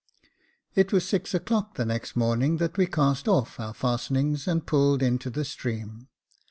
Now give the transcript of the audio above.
It was at six o'clock the next morning that we cast off our fastenings and pulled into the stream.